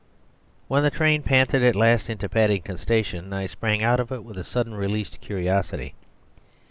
When the train panted at last into Paddington Station I sprang out of it with a suddenly released curiosity.